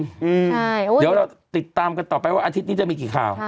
เดี๋ยวเราติดตามกันต่อไปว่าอาทิตย์นี้จะมีกี่ข่าว